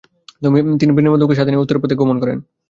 তিনি বেণীমাধবকে সাথে নিয়ে উত্তরের পথে গমন করেন।